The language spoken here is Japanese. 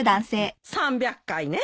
３００回ね。